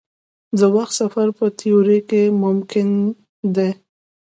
د وخت سفر په تیوري کې ممکن دی.